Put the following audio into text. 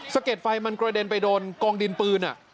เก็ดไฟมันกระเด็นไปโดนกองดินปืน